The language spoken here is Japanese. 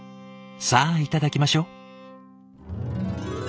さあいただきましょう！